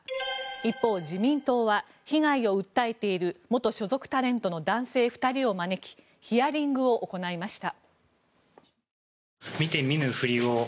一方、自民党は被害を訴えている元所属タレントの男性２人を招きヒアリングを行いました。